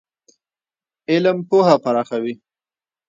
علم پوهه پراخوي.